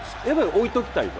置いておきたいと。